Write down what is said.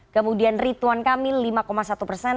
kemudian rituan kamil lima satu persen